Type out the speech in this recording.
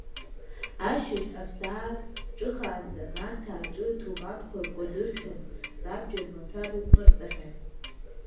Ашьыжь, аԥсаатә ҿыхаанӡа Нарҭаа рҽы ҭуӷанқәа ркәадырхьан, рабџьар маҭәа рыҟәнырҵахьан.